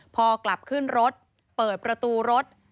พอกลับขึ้นรถเปิดประตูรถ